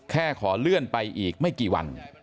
ขอเลื่อนไปอีกไม่กี่วัน